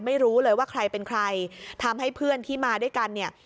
ไม่รู้เลยว่าใครเป็นใครทำให้เพื่อนที่มาด้วยกันเนี่ย